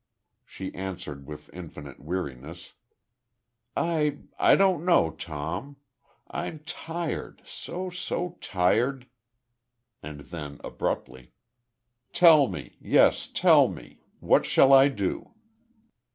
She answered, with infinite weariness: "I I don't know, Tom.... I'm tired so, so tired...." And then, abruptly: "Tell me.... Yes, tell me. What shall I do?"